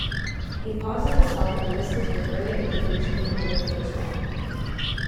He pauses the song and listens for further indication that anything is wrong.